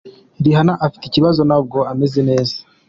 Rihanna afite ikibazo ntabwo ameze neza.